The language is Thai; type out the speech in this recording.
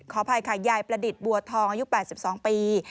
อภัยค่ะยายประดิษฐ์บัวทองอายุ๘๒ปี